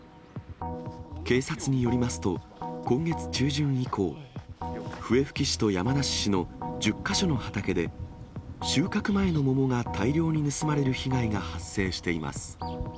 警察によりますと、今月中旬以降、笛吹市と山梨市の１０か所の畑で、収穫前の桃が大量に盗まれる被害が発生しています。